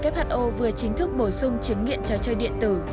who vừa chính thức bổ sung chứng nghiện trò chơi điện tử